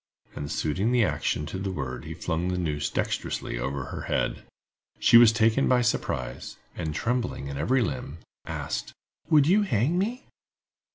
And suiting the action to the word he flung the noose dextrously over her head. She was taken by surprise, and trembling in every limb, asked: "Would you hang me?"